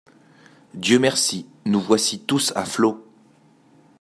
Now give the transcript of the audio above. Dieu merci ! Nous voici tous à flot.